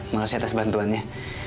makasih atas bantuannya